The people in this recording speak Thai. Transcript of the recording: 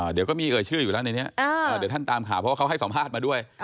เดี๋ยวก็มีเอ่ยชื่ออยู่แล้วในนี้เดี๋ยวท่านตามข่าวเพราะว่าเขาให้สัมภาษณ์มาด้วย